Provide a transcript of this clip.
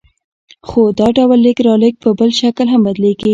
خو دا ډول لېږد رالېږد په بل شکل هم بدلېږي